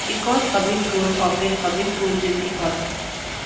Ecorse Public Schools operates public schools in Ecorse.